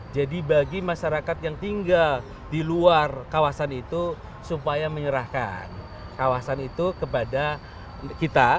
jadi bagi masyarakat yang tinggal di luar kawasan itu supaya menyerahkan kawasan itu kepada kita